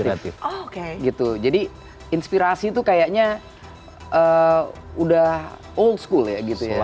tapi aspiratif gitu jadi inspirasi tuh kayaknya udah old school ya gitu ya